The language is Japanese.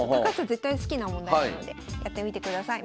絶対好きな問題なのでやってみてください。